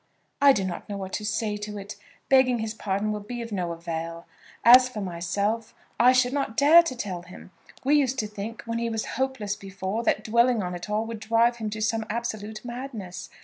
"I do not know what to say to it. Begging his pardon will be of no avail. As for myself, I should not dare to tell him. We used to think, when he was hopeless before, that dwelling on it all would drive him to some absolute madness.